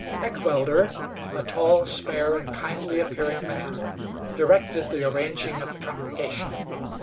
Heckewelder a tall, spare, and kindly appearing man directed the arranging of the congregation.